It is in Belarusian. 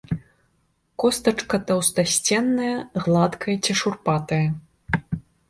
Костачка таўстасценная, гладкая ці шурпатая.